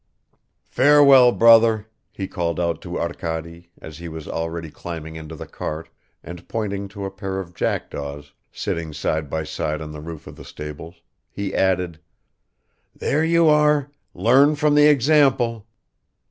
"Farewell, brother," he called out to Arkady, as he was already climbing into the cart, and pointing to a pair of jackdaws, sitting side by side on the roof of the stables, he added, "There you are! Learn from the example."